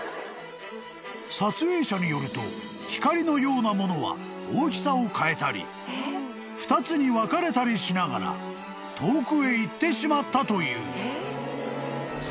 ［撮影者によると光のようなものは大きさを変えたり２つに分かれたりしながら遠くへ行ってしまったという］